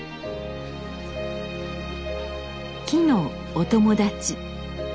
木のお友達。